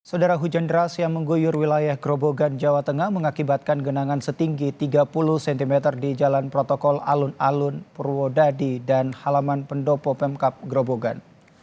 saudara hujan deras yang mengguyur wilayah grobogan jawa tengah mengakibatkan genangan setinggi tiga puluh cm di jalan protokol alun alun purwodadi dan halaman pendopo pemkap grobogan